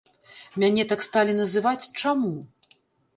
Мяне так сталі называць чаму?